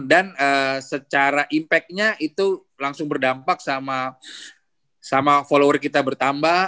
dan secara impactnya itu langsung berdampak sama follower kita bertambah